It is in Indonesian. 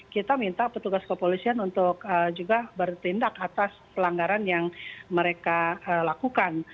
kita minta petugas kepolisian untuk juga bertindak atas pelanggaran yang mereka lakukan